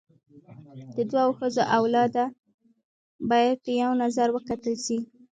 د دوو ښځو اولاده باید په یوه نظر وکتل سي.